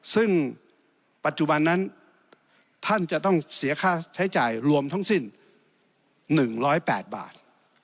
ซึ่งปัจจุบันนั้นท่านจะต้องเสียค่าใช้จ่ายรวมทั้งสิ้น๑๐๘บาท